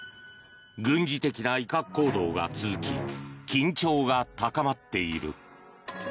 軍事的な威嚇行動が続き緊張が高まっている。